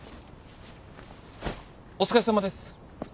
お疲れさまです。